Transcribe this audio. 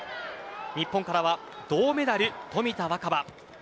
日本からは銅メダル、冨田若春。